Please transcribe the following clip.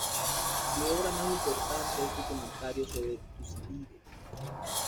Su obra más importante es su comentario sobre Tucídides.